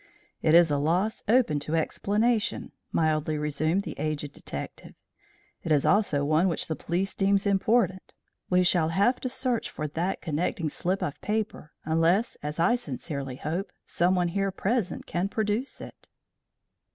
"It is a loss open to explanation," mildly resumed the aged detective. "It is also one which the police deems important. We shall have to search for that connecting slip of paper unless, as I sincerely hope, someone here present can produce it."